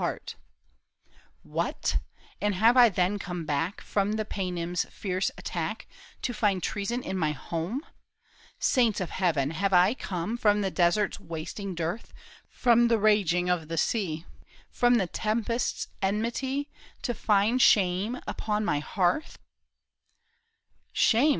THE TOWER OF BOUVERIE. " What ! and have I then come back From the Paynim's fierce attack To find treason in my home ? Saints of heaven ! have I come From the desert's wasting dearth, From the raging of the sea, From the tempest's enmity, To find shame upon my hearth ?"" Shame